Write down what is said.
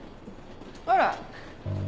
あら。